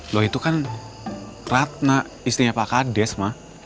lo itu kan ratna istrinya pak kades mah